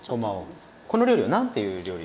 この料理は何ていう料理？